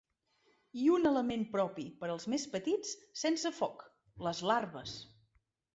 I un element propi, per als més petits, sense foc: les larves.